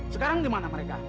sekarang di mana mereka